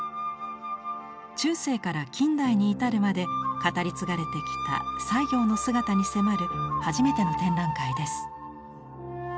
中世から近代に至るまで語り継がれてきた西行の姿に迫る初めての展覧会です。